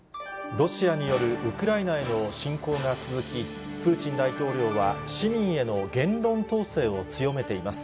ロシアによるウクライナへの侵攻が続き、プーチン大統領は市民への言論統制を強めています。